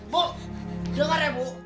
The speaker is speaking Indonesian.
bu denger ya bu